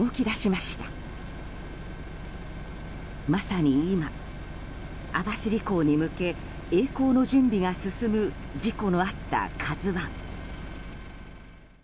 まさに今、網走港に向け曳航の準備が進む事故のあった「ＫＡＺＵ１」。